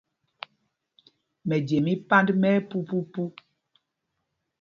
Mɛje mí Pand mɛ ɛpupupu.